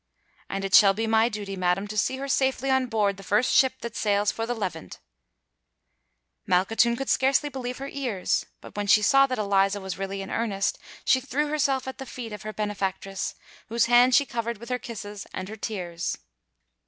"And it shall be my duty, madam, to see her safely on board the first ship that sails for the Levant," said Filippo. Malkhatoun could scarcely believe her ears; but when she saw that Eliza was really in earnest, she threw herself at the feet of her benefactress, whose hand she covered with her kisses and her tears.